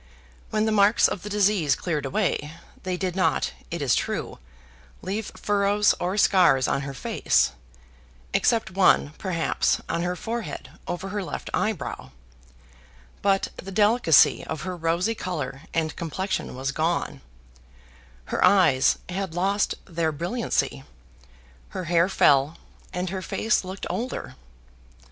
When the marks of the disease cleared away, they did not, it is true, leave furrows or scars on her face (except one, perhaps, on her forehead over her left eyebrow); but the delicacy of her rosy color and complexion was gone: her eyes had lost their brilliancy, her hair fell, and her face looked older.